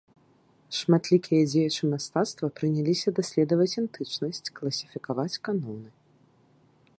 Шматлікія дзеячы мастацтва прыняліся даследаваць антычнасць, класіфікаваць каноны.